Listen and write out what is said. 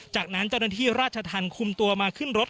จากนั้นเจ้าระชธรรมคุมตัวมาขึ้นรถ